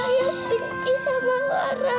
ayah benci sama lara